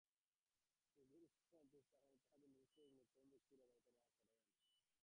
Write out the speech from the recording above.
যোগীরা ঈশ্বরাস্তিত্ব স্থাপনের জন্য তাঁহাদের নিজস্ব এক নূতন ধরনের যুক্তির অবতারণা করেন।